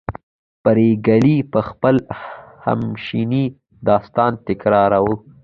پريګلې به خپل همیشنی داستان تکراروه